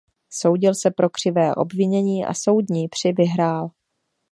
Soudil se pro křivé obvinění a soudní při vyhrál.